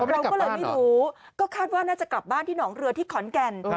เราก็เลยไม่รู้ก็คาดว่าน่าจะกลับบ้านที่หนองเรือที่ขอนแก่น